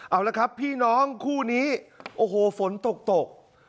เอาละครับพี่น้องคู่นี้โอ้โหฝนตกตก